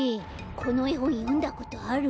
このえほんよんだことある？